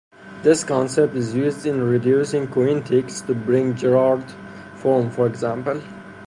This concept is used in reducing quintics to Bring-Jerrard form, for example.